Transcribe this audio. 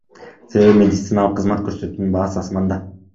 Себеби медициналык кызмат көрсөтүүнүн баасы асманда.